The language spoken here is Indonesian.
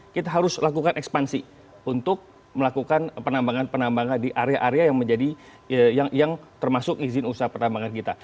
kita harus lakukan ekspansi untuk melakukan penambangan penambangan di area area yang termasuk izin usaha pertambangan kita